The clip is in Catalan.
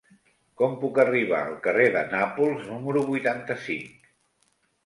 Com puc arribar al carrer de Nàpols número vuitanta-cinc?